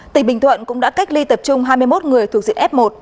tỉnh bình thuận cũng đã cách ly tập trung hai mươi một người thuộc diện f một